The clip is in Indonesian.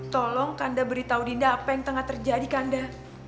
tolong kanda beritahu dinda apa yang tengah terjadi kanda